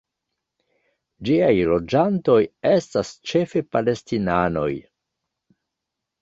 Ĝiaj loĝantoj estas ĉefe palestinanoj.